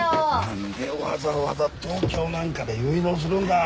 何でわざわざ東京なんかで結納するんだ。